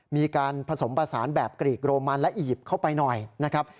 มีการผสมผสานแบบกรีกโรมันและอียิปต์เข้าไปหน่อยนะครับ